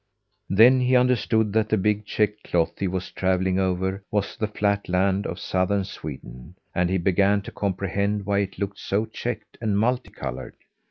Then he understood that the big, checked cloth he was travelling over was the flat land of southern Sweden; and he began to comprehend why it looked so checked and multi coloured.